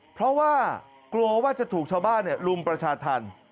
เพราะว่ากลัวว่าจะถูกชาวบ้านลุมประชาธรรม